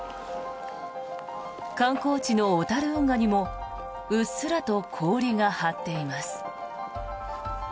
観光地の小樽運河にもうっすらと氷が張っています。